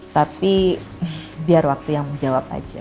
tapi biar waktu yang menjawab aja